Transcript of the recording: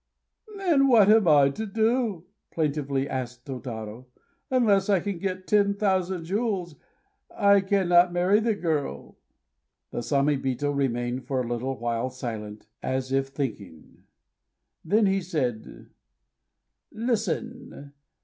"Then what am I to do?" plaintively asked Tôtarô. "Unless I can get ten thousand jewels, I cannot marry the girl!" The Samébito remained for a little while silent, as if thinking. Then he said: "Listen!